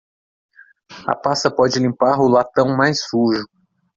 A pasta pode limpar o latão mais sujo.